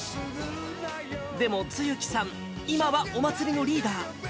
でも、露木さん、今はお祭りのリーダー。